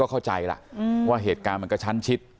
ก็เข้าใจละ๙๑๑๐๐๐๐๐๐๐๐๐๐๐๐๐๐๐๐๐๐๐๐ว่าเหตุการณ์กระชั้นชิด